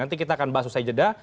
nanti kita akan bahas usai jeda